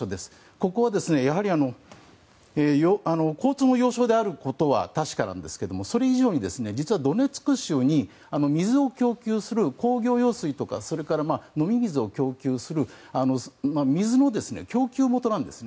ここはやはり、交通の要衝であることは確かなんですがそれ以上に、実はドネツク州に水を供給する工業用水とか、飲み水を供給する水の供給元なんですね。